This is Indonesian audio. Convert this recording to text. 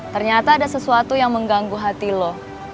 ternyata ada sesuatu yang mengganggu hati lo